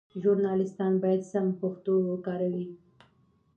ژورنالیستان باید سمه پښتو وکاروي.